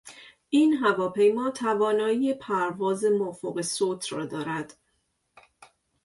این هواپیما توانایی پرواز مافوق صوت را دارد.